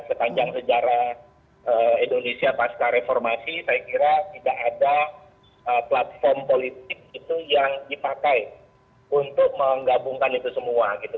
sepanjang sejarah indonesia pasca reformasi saya kira tidak ada platform politik itu yang dipakai untuk menggabungkan itu semua gitu